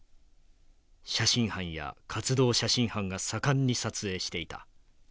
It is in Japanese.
写真班や活動写真班が盛んに撮影していた。